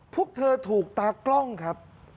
พวกเธอถูกตากล้องครับ